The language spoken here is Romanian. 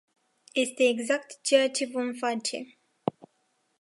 Este exact ceea ce vom face.